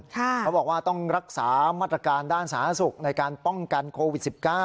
เขาบอกว่าต้องรักษามาตรการด้านสาธารณสุขในการป้องกันโควิด๑๙